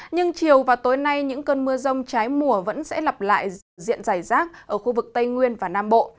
nhưng chiều và tối nay những cơn mưa rông trái mùa vẫn sẽ lặp lại diện dài rác ở khu vực tây nguyên và nam bộ